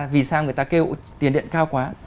vì sao người ta kêu tiền điện cao quá